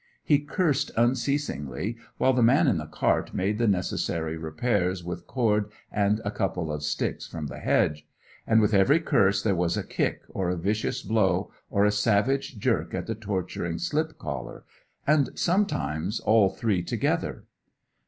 He cursed unceasingly while the man in the cart made the necessary repairs with cord and a couple of sticks from the hedge; and with every curse there was a kick, or a vicious blow, or a savage jerk at the torturing slip collar, and sometimes all three together.